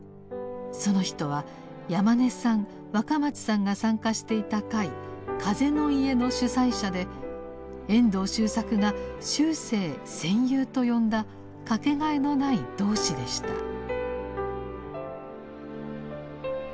その人は山根さん若松さんが参加していた会「風の家」の主宰者で遠藤周作が終生「戦友」と呼んだ掛けがえのない同志でした。